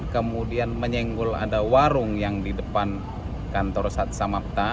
kemudian menyenggul ada warung yang di depan kantor saksama kita